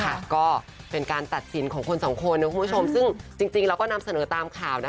ก็เป็นการตัดสินของคนสองคนนะคุณผู้ชมซึ่งจริงเราก็นำเสนอตามข่าวนะคะ